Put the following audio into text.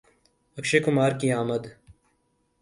اکشے کمار کی آمد